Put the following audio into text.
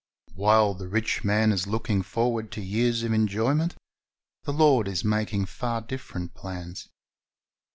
"^ While the rich man is looking forward to years of enjoyment, the Lord is making far different plans.